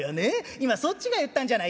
今そっちが言ったんじゃない。